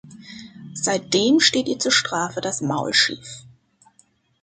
Seitdem steht ihr zur Strafe das Maul schief.